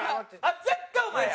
絶対お前や！